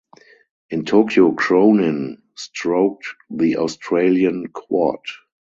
In Tokyo Cronin stroked the Australian quad.